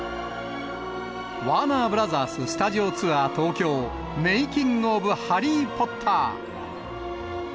ワーナーブラザーススタジオツアー東京メイキング・オブ・ハリー・ポッター。